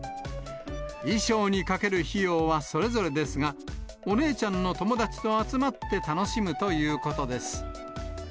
衣装にかける費用はそれぞれですが、お姉ちゃんの友達と集まって楽しむということです。